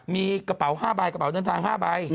มีกระเป๋า๕ใบกระเป๋าเดินทาง๕ใบ